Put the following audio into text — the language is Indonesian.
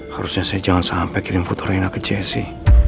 harusnya saya jangan sampai kirim foto reina ke jessy